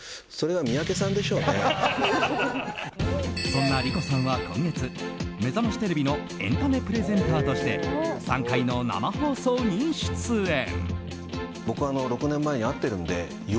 そんな莉子さんは今月「めざましテレビ」のエンタメプレゼンターとして３回の生放送に出演。